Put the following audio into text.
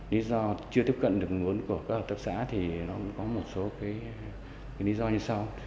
lý do chưa tiếp cận được nguồn của các hợp tác xã thì có một số lý do như sau